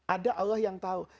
ada allah yang tahu